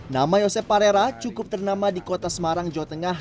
nama yosep parera cukup ternama di kota semarang jawa tengah